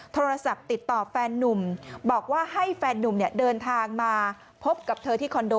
โทรศัพท์ติดต่อแฟนนุ่มบอกว่าให้แฟนนุ่มเนี่ยเดินทางมาพบกับเธอที่คอนโด